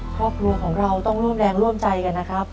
ข้อครัวของเราต้องร่วมแรงร่วมใจกัน